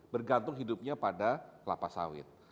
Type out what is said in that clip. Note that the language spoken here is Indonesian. bergantung hidupnya pada kelapa sawit